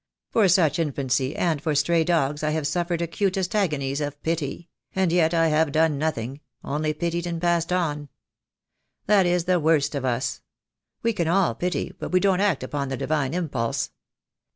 For such in fancy and for stray dogs I have suffered acutest agonies of pity — and yet I have done nothing — only pitied and passed on. That is the worst of us. We can all pity, but we don't act upon the divine impulse.